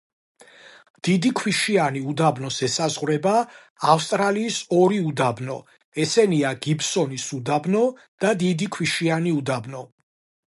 დიდი ქვიშიანი უდაბნოს ესაზღვრება ავსტრალიის ორი უდაბნო ესენია გიბსონის უდაბნო და დიდი ქვიშიანი უდაბნო.